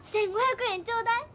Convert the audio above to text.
１，５００円頂戴。